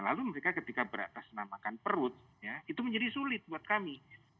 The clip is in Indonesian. lalu mereka ketika beratas namakan perut ya itu menjadi sulit buat kami